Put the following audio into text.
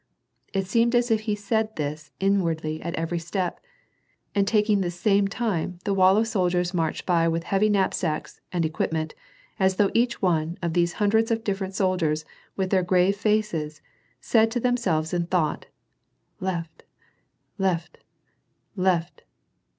It seemed as if he said this in wardly at every step, and taking this same time, the wall of soldiers marched by with heavy knapsacks and equi] nu nt, as though each one of these hundreds of different soldi* rs, with their grave faces, said to himself in thought, left ! left ! Uft